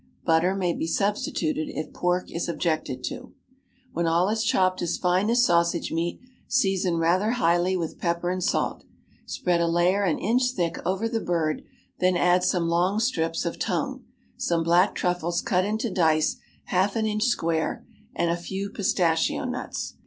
(Butter may be substituted if pork is objected to). When all is chopped as fine as sausage meat, season rather highly with pepper and salt. Spread a layer an inch thick over the bird; then add some long strips of tongue, some black truffles cut into dice half an inch square, and a few pistachio nuts.